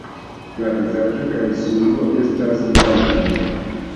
La vizaĝo kaj subo estas blankaj.